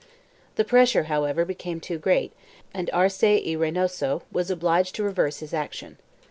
1 The pressure, however, became too great and Arce y Rey noso was obliged to reverse his action.